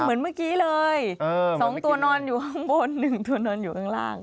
เหมือนเมื่อกี้เลย๒ตัวนอนอยู่ข้างบน๑ตัวนอนอยู่ข้างล่าง